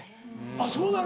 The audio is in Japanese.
あっそうなの。